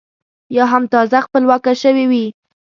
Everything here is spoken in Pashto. یا هم تازه خپلواکه شوې وي.